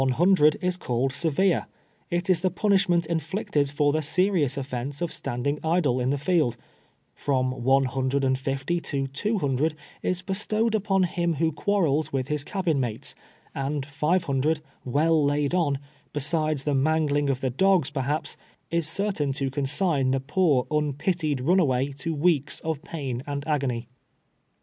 hundred is called severe: it is the punishment inflict ed for the serious offence of standing idle in tlie field; from one hundred and fifty to two hundred is bestow ed upon him who quarrels with his cahin mates, and five liundred, well laid on, besides the mangling of the dogs, perhaps, is certain to consign the poor, un pitied runaway to weeks of pain and agony.